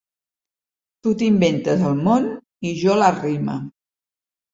Tu t’inventes el món i jo la rima.